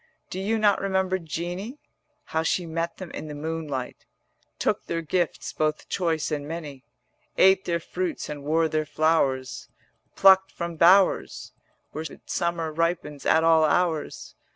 Do you not remember Jeanie, How she met them in the moonlight, Took their gifts both choice and many, Ate their fruits and wore their flowers 150 Plucked from bowers Where summer ripens at all hours?